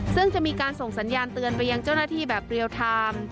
ซึ่งจะมีการส่งสัญญาณเตือนไปยังเจ้าหน้าที่แบบเรียลไทม์